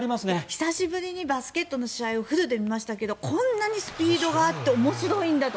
久しぶりにバスケットの試合をフルで見ましたけどこんなにスピードがあって面白いんだと。